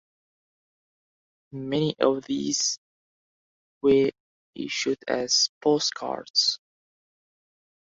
Many of these were issued as postcards.